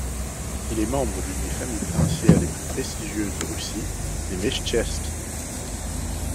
Il est membre d'une des familles princières les plus prestigieuses de Russie, les Mechtcherski.